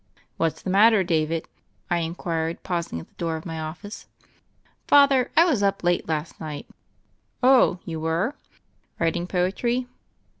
"What's the matter, David?" I inquired, pausing at the door of my office. "Father, I was up late last night." "Oh, you were? Writing poetry?"